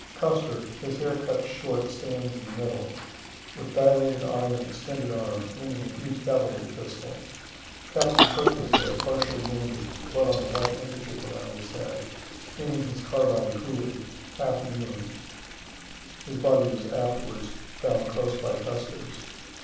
Custer (his hair cut short stands in the middle), with dilated eye and extended arm, aiming a huge cavalry pistol. Captain Cook is there, partially wounded, blood on the white handkerchief around his head, aiming his carbine coolly, half kneeling (his body was afterwards found close by Custer's.)